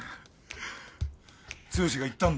剛が言ったんだよな。